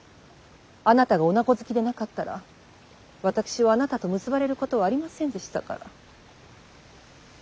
あなたが女子好きでなかったら私はあなたと結ばれることはありませんでしたから。